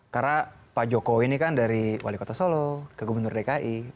karena pak jokowi ini kan dari wali kota solo ke gubernur dki